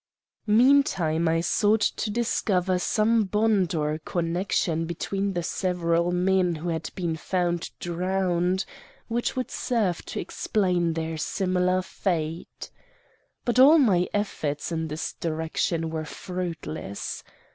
"Meantime I sought to discover some bond or connection between the several men who had been found drowned, which would serve to explain their similar fate. But all my efforts in this direction were fruitless.